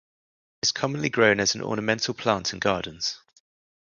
It is commonly grown as an ornamental plant in gardens.